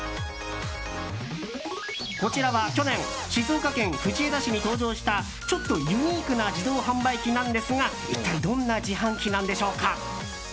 こちらは去年、静岡県藤枝市に登場したちょっとユニークな自動販売機なんですが一体どんな自販機なんでしょうか。